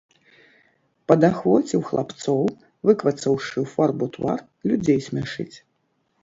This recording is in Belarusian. Падахвоціў хлапцоў, выквацаўшы ў фарбу твар, людзей смяшыць.